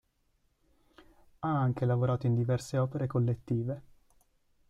Ha anche lavorato in diverse opere collettive.